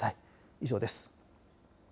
以上です。